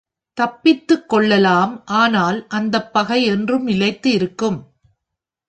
தப்பித்துக்கொள்ளலாம் ஆனால் அந்தப் பகை என்றும் நிலைத்து இருக்கும்.